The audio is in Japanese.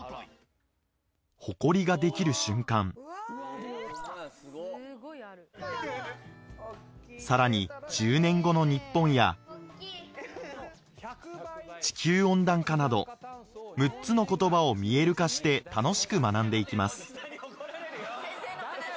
ホコリができる瞬間更に１０年後の日本や地球温暖化など６つの言葉を見える化して楽しく学んでいきます